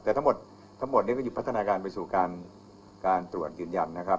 แต่ทั้งหมดทั้งหมดนี้ก็หยุดพัฒนาการไปสู่การตรวจยืนยันนะครับ